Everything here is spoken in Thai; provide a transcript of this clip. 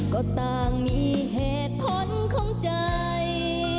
ก็ต่างมีเหตุผลของใจ